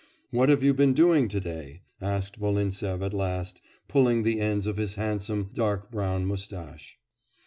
'What have you been doing to day?' asked Volintsev at last, pulling the ends of his handsome dark brown moustache.